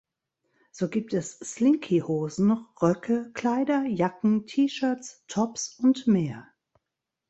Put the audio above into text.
So gibt es Slinky-Hosen, -Röcke, -Kleider, -Jacken, -T-Shirts, -Tops und mehr.